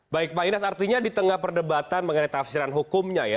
baik pak inas artinya di tengah perdebatan mengenai tafsiran hukumnya ya